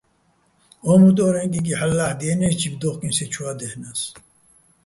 ო მუტო́რეჼ კიკი ჰ̦ალო̆ ლა́ჰ̦დიენე́ს, ჯიბ დო́ხკინო̆ სეჲჩუა́ დაჲჰ̦ნა́ს.